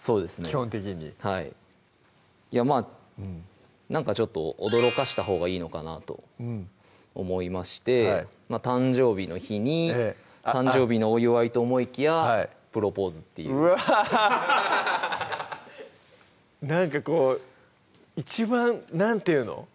基本的にいやまぁなんかちょっと驚かしたほうがいいのかなと思いまして誕生日の日に誕生日のお祝いと思いきやプロポーズっていううわぁハハッなんかこう一番何て言うの？